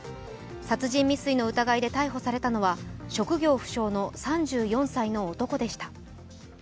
殺人未遂の疑いで逮捕されたのは職業不詳、３４歳の男でした。